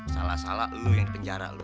salah salah lu yang di penjara lu